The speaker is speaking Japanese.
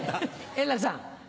円楽さん。